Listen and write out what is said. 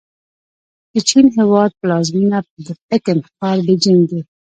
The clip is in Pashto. د چین هېواد پلازمېنه د پکن ښار بیجینګ دی.